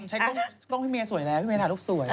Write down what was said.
ใช้กล้องพี่เมย์สวยแล้วพี่เมยถ่ายรูปสวย